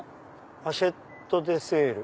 「アシェットデセール」。